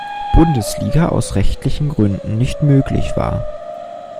Bundesliga aus rechtlichen Gründen nicht möglich war.